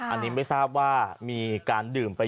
อันนี้ไม่ทราบว่ามีการดื่มไป